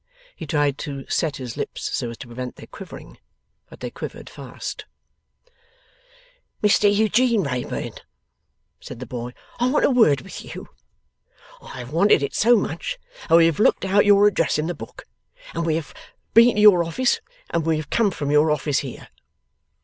He tried to set his lips so as to prevent their quivering, but they quivered fast. 'Mr Eugene Wrayburn,' said the boy, 'I want a word with you. I have wanted it so much, that we have looked out your address in the book, and we have been to your office, and we have come from your office here.